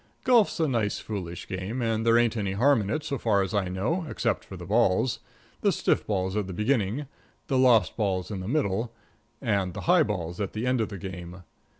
Golf's a nice, foolish game, and there ain't any harm in it so far as I know except for the balls the stiff balls at the beginning, the lost balls in the middle, and the highballs at the end of the game.